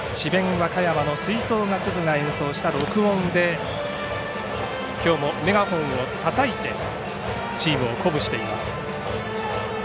和歌山の吹奏楽部が演奏した録音できょうもメガホンをたたいてチームを鼓舞しています。